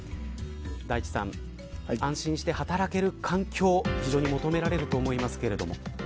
大地さん、安心して働ける環境、非常に求められると思いますけど。